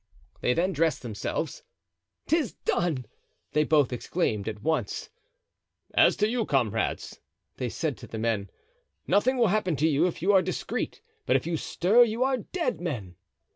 They then dressed themselves. "'Tis done!" they both exclaimed at once. "As to you, comrades," they said to the men, "nothing will happen to you if you are discreet; but if you stir you are dead men."